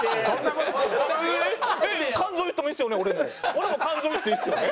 俺も感情言うていいですよね？